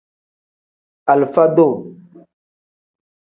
Alifa-duu.